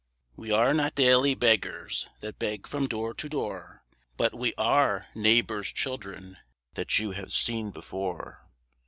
We are not daily beggars That beg from door to door, But we are neighbours' children That you have seen before.